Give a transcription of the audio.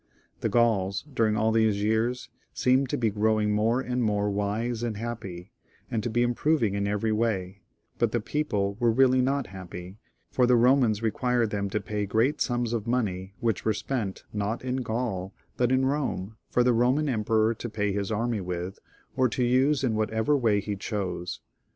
The Gauls, during aU these years, seemed to be growing more and more wise and happy, and to be improving in every way ; but the people were reaUy not happy, for the Romans expected them to pay great sums of money, which were spent, not in Gaul, but in Rome, for the Roman emperor to pay his army, or use in whatever way he chose.